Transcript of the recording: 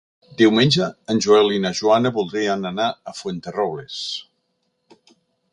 Diumenge en Joel i na Joana voldrien anar a Fuenterrobles.